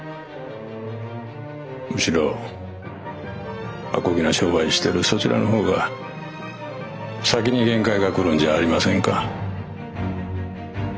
むしろアコギな商売してるそちらの方が先に限界が来るんじゃありませんか？